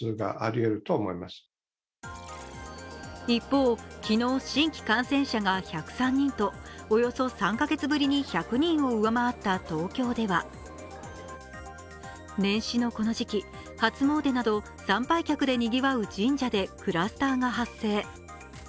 一方、昨日新規感染者が１０３人とおよそ３カ月ぶりに１００人を上回った東京では年始のこの時期、初詣など参拝客でにぎわう神社でクラスターが発生。